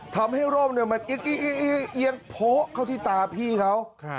ทำให้ร่มมันอีกโผล่เข้าที่ตาพี่เขา